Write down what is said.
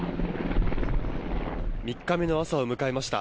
３日目の朝を迎えました。